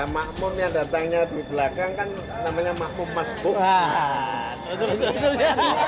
makmum yang datangnya di belakang kan namanya makmum masbuk